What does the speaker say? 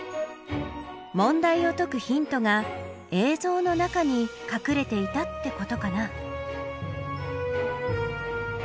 問題を解くヒントが映像の中にかくれていたってことかな？